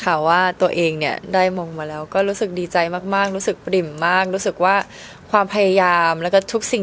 ก็ถ้าถามด้านแล้วความรู้สึกก็อยากจะบอกว่าตอนนี้